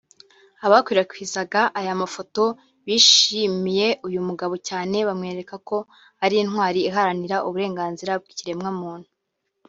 Abakwirakwizaga aya mafoto bishimiye uyu mugabo cyane bamwereka ko ari intwari iharanira uburenganzira bw’ikiremwamuntu